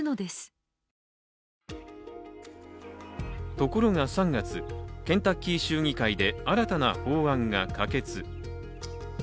ところが３月、ケンタッキー州議会で新たな法案が可決。